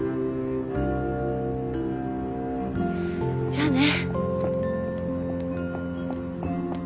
じゃあね。